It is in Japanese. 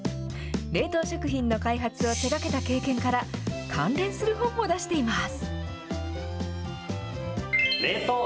冷凍食品の開発を手がけた経験から、関連する本も出しています。